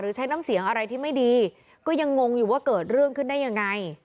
ใช้น้ำเสียงอะไรที่ไม่ดีก็ยังงงอยู่ว่าเกิดเรื่องขึ้นได้ยังไง